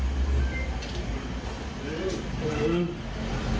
ก็มาพูดคุยใจละจานะคะแต่ว่าอาการของพระเมื่อสักครู่นี้